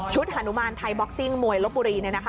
ฮานุมานไทยบ็อกซิ่งมวยลบบุรี